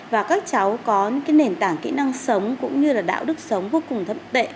và các cháu có nền tảng kỹ năng sống cũng như là đạo đức sống vô cùng thấm tệ